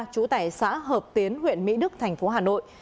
chủ tải xã hợp tiến huyện mỹ đức thành phố hà nội